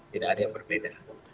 tidak ada yang berbeda